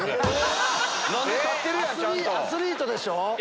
アスリートでしょ。